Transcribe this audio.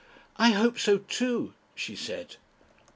"I hope so too," she said.